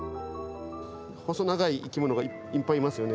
細長い生き物がいっぱいいますよね。